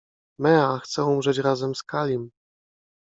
— Mea chce umrzeć razem z Kalim.